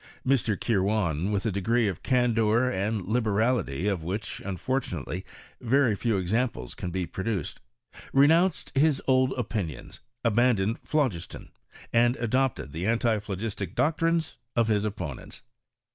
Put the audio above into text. Mr. Kirwan, with a degree of candour and Kberality of which, unfortunately, very few examples can be pVoduced, renounced liia old opinions, aban doned phlogiston, and adopted the antiphh gistic doctrines of his opponents.